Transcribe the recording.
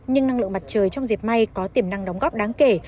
nhưng năng lượng mặt trời trong dịp may có tiềm năng đóng góp đáng kể